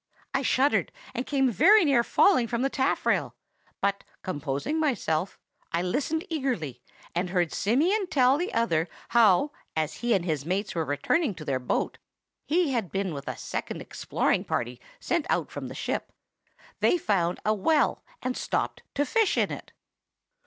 I shuddered, and came very near falling from the taffrail; but, composing myself, I listened eagerly, and heard Simeon tell the other how, as he and his mates were returning to their boat (he had been with a second exploring party sent out from the ship), they found a well, and stopped to fish in it."